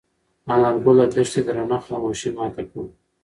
انارګل د دښتې درنه خاموشي ماته کړه.